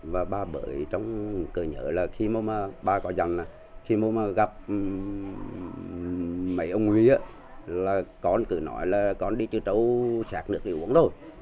và ba bởi trong cờ nhớ là khi mà ba có dặn là khi mà gặp mấy ông huy á là con cứ nói là con đi cho trâu xạc nước đi uống thôi